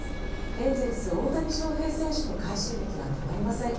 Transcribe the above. エンゼルス、大谷翔平選手の快進撃が止まりません。